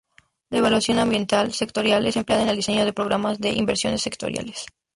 La evaluación ambiental sectorial es empleada en el diseño de programas de inversiones sectoriales.